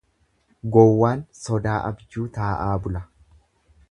Gowwaan sodaa abjuu taa'aa bula.